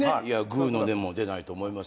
ぐうの音も出ないと思いますよ。